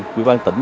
quỹ ban tỉnh